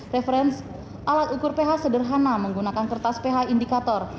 referensi alat ukur ph sederhana menggunakan kertas ph indikator